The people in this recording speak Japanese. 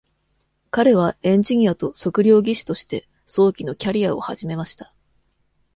彼はエンジニアと測量技師として早期のキャリヤを始めました。